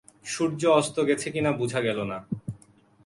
সূর্য অস্ত গেছে কি না বুঝা গেল না।